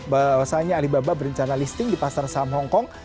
bahwasannya alibaba berencana listing di pasar saham hongkong